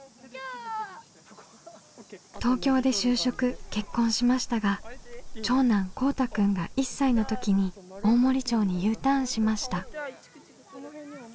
東京で就職結婚しましたが長男こうたくんが１歳の時に大森町にＵターンしました。